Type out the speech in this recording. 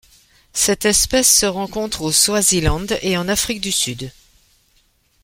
Cette espèce se rencontre au Swaziland et en Afrique du Sud.